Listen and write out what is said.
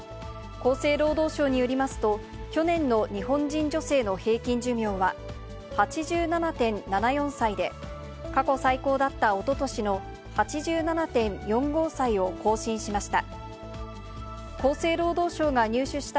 厚生労働省によりますと、去年の日本人女性の平均寿命は８７．７４歳で、過去最高だったおととしの８７．４５歳を更新しました。